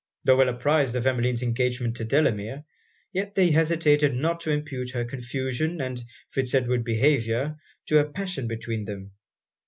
Tho' well apprized of Emmeline's engagement to Delamere, yet they hesitated not to impute her confusion, and Fitz Edward's behaviour, to a passion between them.